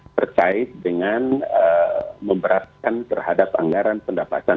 terkait dengan memberatkan terhadap anggaran pendapatan